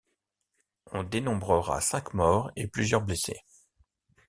On dénombrera cinq morts et plusieurs blessés.